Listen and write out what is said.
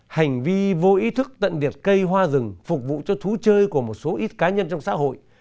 hành vi vô ý thức tận diệt cây hoa rừng phục vụ cho thú chơi của một số ít cá nhân trong xã hội